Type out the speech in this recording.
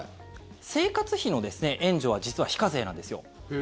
生活費の援助は実は非課税なんですよ。